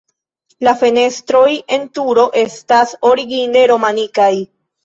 La fenestroj en la turo estas origine romanikaj.